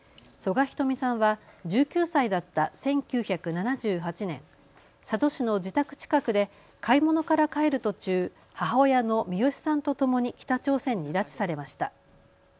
曽我ひとみさんは１９歳だった１９７８年、佐渡市の自宅近くで買い物から帰る途中、母親のミヨシさんとともに北朝鮮に拉致されました。